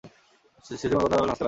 CC কোনো কথা না বলে হাসতে লাগল।